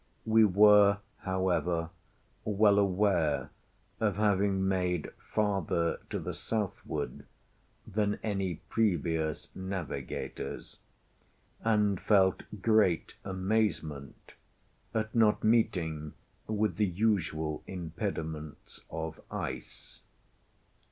We were, however, well aware of having made farther to the southward than any previous navigators, and felt great amazement at not meeting with the usual impediments of ice.